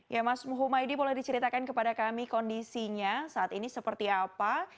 ya mas humaydi boleh diceritakan kepada kami kondisinya saat ini seperti apa